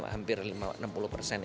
hampir lima ratus juta orang